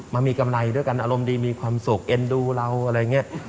มามีกำไรด้วยกันอารมณ์ดีมีความสุขเอ็นดูเราอะไรอย่างนี้